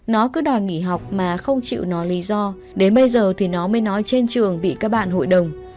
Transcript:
nó cứ đòi nghỉ học mà không chịu nó lý do đến bây giờ thì nó mới nói trên trường bị các bạn hội đồng